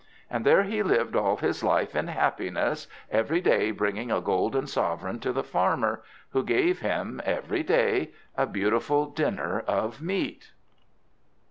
And there he lived all his life in happiness, every day bringing a golden sovereign to the Farmer, who gave him every day a beautiful dinner of meat.